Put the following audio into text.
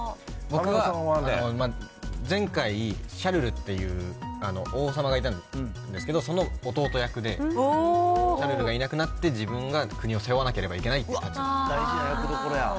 僕は、前回、シャルルっていう王様がいたんですけど、その弟役で、シャルルがいなくなって自分が国を背負わなければいけないという大事な役どころや。